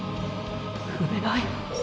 踏めない。